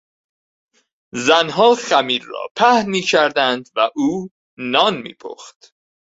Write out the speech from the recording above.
زنها خمیر را پهن میکردند و او نان میپخت.